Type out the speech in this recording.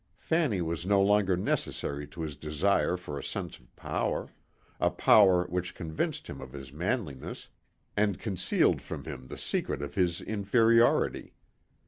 Fanny was no longer necessary to his desire for a sense of power a power which convinced him of his manliness and concealed from him the secret of his inferiority.